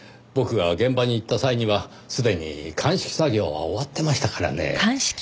僕が現場に行った際にはすでに鑑識作業は終わってましたからねぇ。